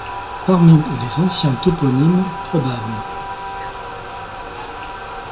Parmi les anciens toponymes probables,